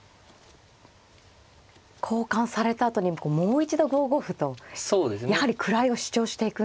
交換されたあとにもう一度５五歩とやはり位を主張していくんですね。